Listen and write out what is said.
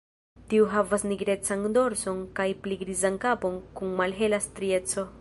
Tiu havas nigrecan dorson kaj pli grizan kapon kun malhela strieco.